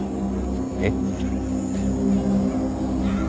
えっ？